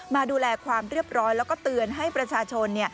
มาดูแลความเรียบร้อยแล้วก็เตือนให้ประชาชน